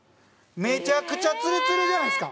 めちゃくちゃツルツルじゃないですか？